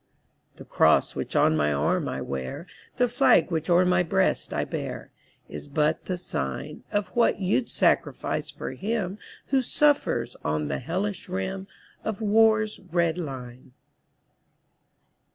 The cross which on my arm I wear, The flag which o'er my breast I bear, Is but the sign Of what you 'd sacrifice for him Who suffers on the hellish rim Of war's red line.